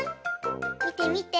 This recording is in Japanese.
みてみて。